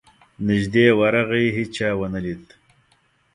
نیژدې ورغی هېچا ونه لید.